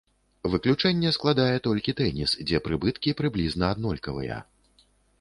Выключэнне складае толькі тэніс, дзе прыбыткі прыблізна аднолькавыя.